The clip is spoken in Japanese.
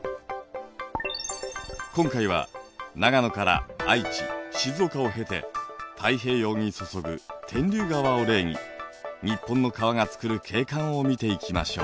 今回は長野から愛知静岡を経て太平洋に注ぐ天竜川を例に日本の川が作る景観を見ていきましょう。